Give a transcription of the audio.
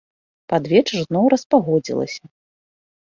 Пад вечар зноў распагодзілася.